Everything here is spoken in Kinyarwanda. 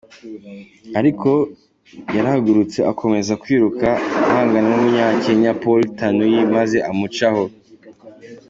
Ariko yarahagurutse akomeza kwiruka ahangana n'umunyakenya Paul Tanui maze amucaho.